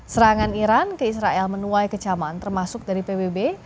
serangan iran ke israel menuai kecaman termasuk dari pbb